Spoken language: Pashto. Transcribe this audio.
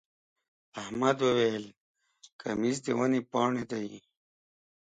احمد وويل: کمیس د ونې پاڼې دی.